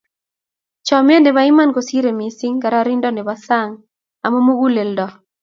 chomyet nebo iman kosiirei mising kararanindo nebo sang, amu muguleldo.